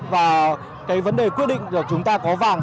và vấn đề quyết định chúng ta có vàng